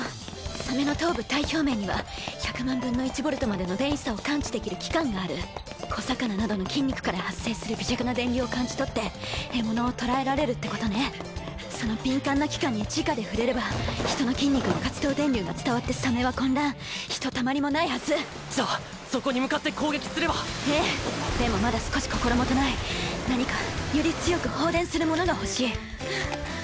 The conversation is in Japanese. サメの頭部１００万分の１ボルトまでの電位差を感知できる器官がある小魚などの筋肉から発生する微弱な電流を感じ取って獲物を捕らえられるってことねその敏感な器官にじかで触れれば人の筋肉の活動電流が伝わってサメは混乱ひとたまりもないはずじゃあそこに向かって攻撃すればええでもまだ少し心もとない何かより強く放電するものが欲しいはぁ。